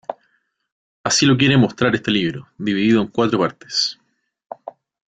Así lo quiere mostrar este libro, dividido en cuatro partes.